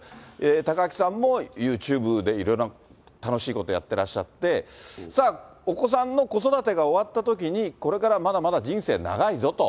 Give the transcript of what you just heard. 貴明さんも、ユーチューブでいろいろな楽しいことやってらっしゃって、さあ、お子さんの子育てが終わったときに、これからまだまだ人生長いぞと。